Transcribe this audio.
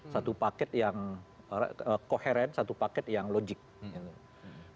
satu paket yang koheren satu paket yang koheren